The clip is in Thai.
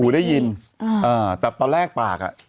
หูได้ยินแต่ตอนแรกปากอ่ะ